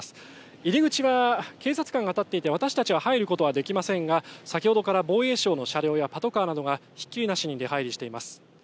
入り口は警察官が立っていて私たちが入ることはできませんが先ほどから防衛省の車両やパトカーなどがひっきりなしに出入りしています。